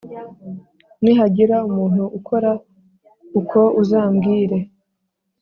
Nihagira umuntu ukora uko uzambwire